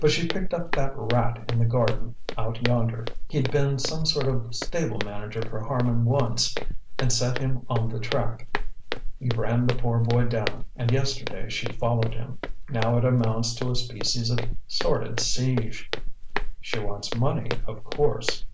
But she picked up that rat in the garden out yonder he'd been some sort of stable manager for Harman once and set him on the track. He ran the poor boy down, and yesterday she followed him. Now it amounts to a species of sordid siege." "She wants money, of course."